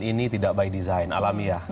ini tidak by design alamiah